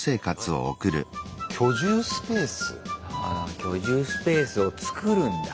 居住スペースを作るんだ。